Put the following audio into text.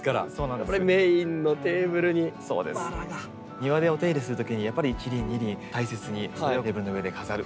庭でお手入れするときにやっぱり１輪２輪大切にそれをテーブルの上で飾る。